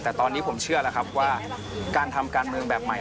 แต่ตอนนี้ผมเชื่อแล้วครับว่าการทำการเมืองแบบใหม่